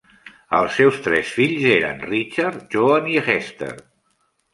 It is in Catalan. Els seus tres fills eren Richard, Joan i Hester.